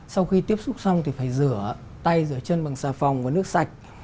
sau khi tiếp xúc xong thì phải rửa tay rửa chân bằng xà phòng và nước sạch